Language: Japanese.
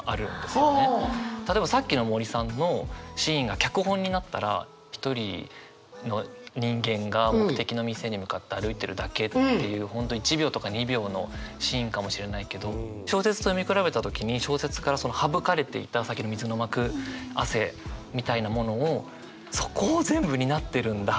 例えばさっきの森さんのシーンが脚本になったら一人の人間が目的の店に向かって歩いてるだけっていう本当に１秒とか２秒のシーンかもしれないけど小説と見比べた時に小説から省かれていたさっきの水の膜汗みたいなものをそこを全部担ってるんだ